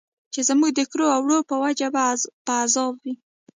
چې زموږ د کړو او وړو په وجه به په عذاب وي.